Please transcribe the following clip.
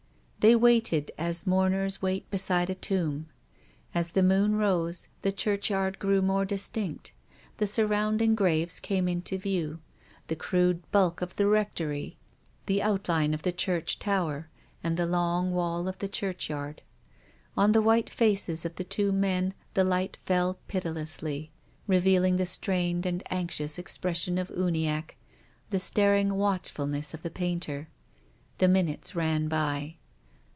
They waited, as mourners wait beside a tomb. As the moon rose, the churchyard grew more dis tinct. The surrounding graves came into view, the crude bulk of the rectory, the outline of the 98 TONGUES OF CONSCIENCE church tower, and the long wall of the churchyard. On the white faces of the two men the light fell pitilessly, revealing the strained and anxious ex pression of Uniacke, the staring watchfulness of the painter. The minutes ran by.